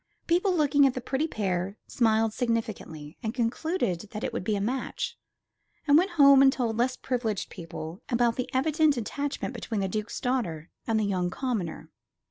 People, looking at the pretty pair, smiled significantly, and concluded that it would be a match, and went home and told less privileged people about the evident attachment between the Duke's daughter and the young commoner.